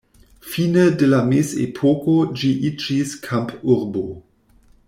Fine de la mezepoko ĝi iĝis kampurbo.